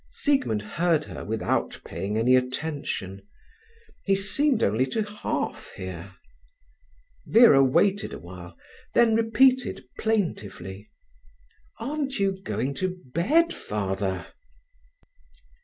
Siegmund heard her without paying any attention. He seemed only to half hear. Vera waited awhile, then repeated plaintively: "Aren't you going to bed, Father?"